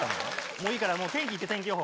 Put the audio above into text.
もういいから天気いって天気予報。